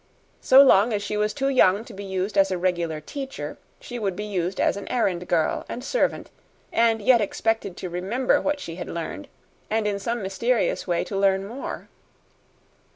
So long as she was too young to be used as a regular teacher, she would be used as an errand girl and servant and yet expected to remember what she had learned and in some mysterious way to learn more.